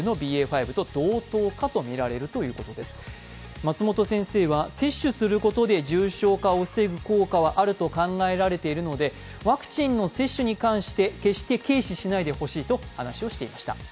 松本先生は、接種することで重症化を防ぐ効果はあると考えられているのでワクチンの接種に関して決して軽視しないでほしいと話していました。